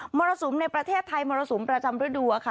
รสุมในประเทศไทยมรสุมประจำฤดูค่ะ